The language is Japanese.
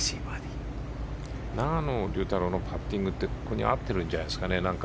永野竜太郎のパッティングってここに合ってるんじゃないでしょうか。